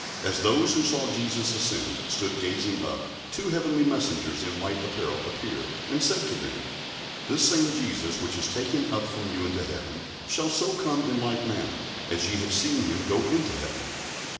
As those who saw Jesus ascend stood gazing up, two heavenly messengers in white apparel appeared and said to them, "This same Jesus, which is taken up from you into heaven, shall so come in like manner as ye have seen him go into heaven."